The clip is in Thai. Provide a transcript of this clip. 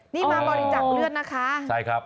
นี่มาบริจักษ์เลือดนะคะใช่ครับ